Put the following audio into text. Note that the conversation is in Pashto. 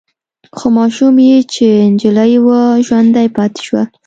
خو ماشوم يې چې نجلې وه ژوندۍ پاتې شوه.